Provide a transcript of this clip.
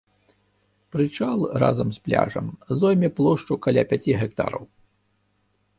Прычал разам з пляжам зойме плошчу каля пяці гектараў.